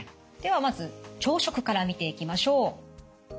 ではまず朝食から見ていきましょう。